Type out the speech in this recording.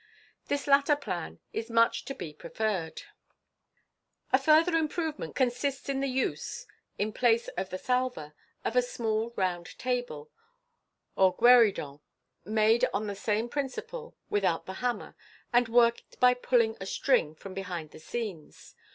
This latter plan is much to be pre ferred. A further improvement consists in the use, in place of the salver, of a small round table, or gueridon, made on the same prin ciple (without the hammer), and worked by pulling a string from behind the scenes.